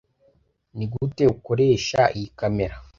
Nigute ukoresha iyi kamera